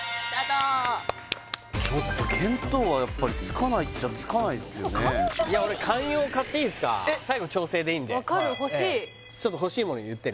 ちょっと見当はやっぱりつかないっちゃつかないっすよねいや俺観葉買っていいっすか最後調整でいいんで分かる欲しいちょっと欲しいもの言ってね